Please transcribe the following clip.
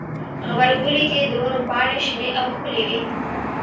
غبرګولی کې د ونو پاڼې شنې او ښکلي وي.